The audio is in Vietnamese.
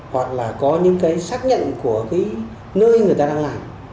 hoặc là có những cái xác nhận của cái nơi người ta đang làm